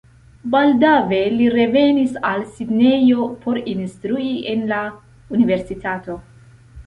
Baldaŭe li revenis al Sidnejo por instrui en la universitato.